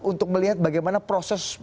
untuk melihat bagaimana proses